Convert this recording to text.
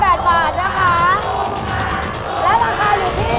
และราคาอยู่ที่